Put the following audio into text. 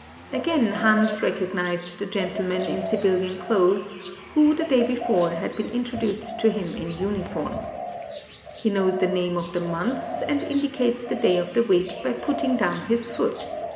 Agal£^ Hans recognized tbe gentleman in civilian clothes who the day i>efore h£d been Intro ' duced to him .in imlform. He knotre the names of. the months and Indicates the day of the w,eek by putting dpwn his foot.